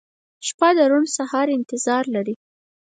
• شپه د روڼ سهار انتظار لري.